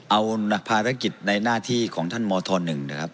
เอาภารกิจในหน้าที่ของท่านมธ๑นะครับ